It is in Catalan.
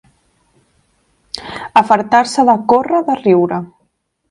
Afartar-se de córrer, de riure.